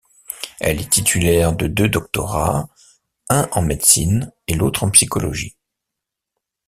Elle est titulaire de deux doctorats, un en médecine, et l'autre en psychologie.